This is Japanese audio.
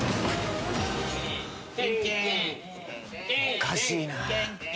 おかしいな。